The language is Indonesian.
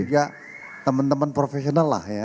juga teman teman profesional lah ya